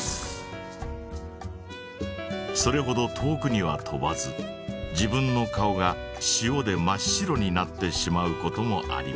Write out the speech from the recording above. それほど遠くには飛ばず自分の顔が塩で真っ白になってしまうこともあります。